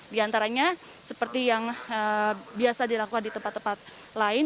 di antaranya seperti yang biasa dilakukan di tempat tempat lain